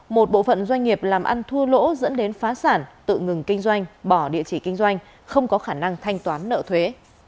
một bộ phận doanh nghiệp làm ăn thua lỗ dẫn đến phá sản tự ngừng kinh doanh bỏ địa chỉ kinh doanh không có khả năng thanh toán nợ thuế